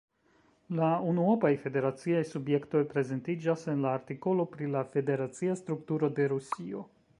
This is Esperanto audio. La unuopaj federaciaj subjektoj prezentiĝas en la artikolo pri la federacia strukturo de Rusio.